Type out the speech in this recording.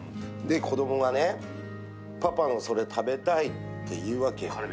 子供が、パパのそれ食べたいって言うわけ。